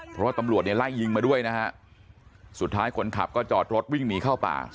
เพราะว่าตำรวจเนี่ยไล่ยิงมาด้วยนะฮะสุดท้ายคนขับก็จอดรถวิ่งหนีเข้าป่า